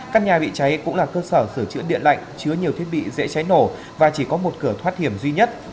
căn nhà bị cháy cũng là cơ sở sửa chữa điện lạnh chứa nhiều thiết bị dễ cháy nổ và chỉ có một cửa thoát hiểm duy nhất